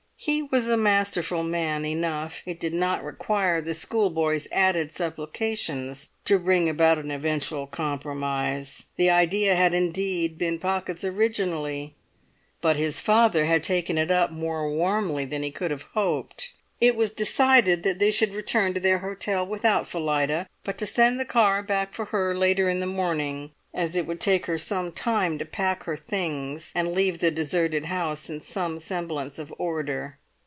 He was a masterful man enough; it did not require the schoolboy's added supplications to bring about an eventual compromise. The idea had indeed been Pocket's originally, but his father had taken it up more warmly than he could have hoped. It was decided that they should return to their hotel without Phillida, but to send the car back for her later in the morning, as it would take her some time to pack her things and leave the deserted house in some semblance of order.